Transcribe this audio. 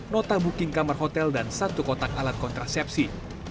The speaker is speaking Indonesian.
nota booking kamar hotel dan satu kotak alat kontrasepsi